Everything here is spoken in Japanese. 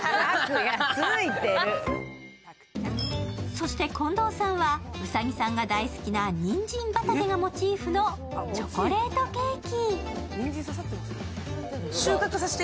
そして近藤さんはウサギさんが大好きなにんじん畑がモチーフのチョコレートケーキ。